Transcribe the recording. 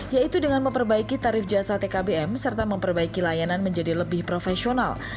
yaitu dengan memperbaiki tarif jasa tkbm serta memperbaiki layanan menjadi lebih profesional